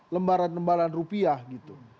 lembaran lembaran rupiah gitu